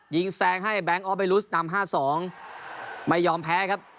ยิงแซงให้แบงค์ออฟเบรุสนำ๕๒ไม่ยอมแพ้ครับ